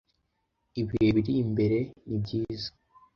ibihe biri imbere ni byiza